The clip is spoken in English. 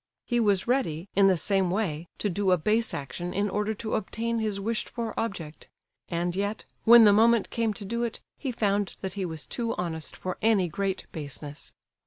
He was ready, in the same way, to do a base action in order to obtain his wished for object; and yet, when the moment came to do it, he found that he was too honest for any great baseness.